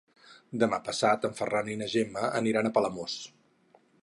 Demà passat en Ferran i na Gemma aniran a Palamós.